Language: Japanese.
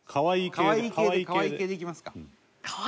可愛い系でいきますか。